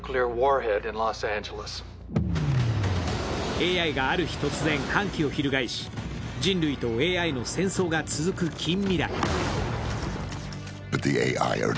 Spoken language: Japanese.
ＡＩがある日突然、反旗を翻し、人類とＡＩの戦争が続く近未来。